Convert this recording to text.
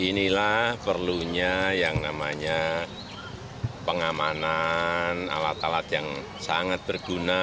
inilah perlunya yang namanya pengamanan alat alat yang sangat berguna